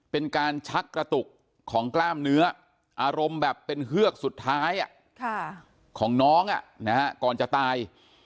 เป็นการชักกระตุกของกล้ามเนื้ออารมณ์แบบเป็นเฮือกสุดท้ายของน้องก่อนจะตาย